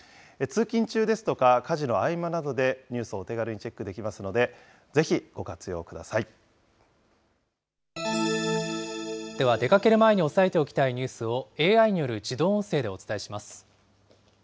通勤中ですとか家事の合間などでニュースをお手軽にチェックできでは、出かける前におさえておきたいニュースをＡＩによる自動音声でお伝えします。